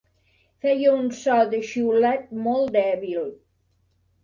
Feia un so de xiulet molt dèbil.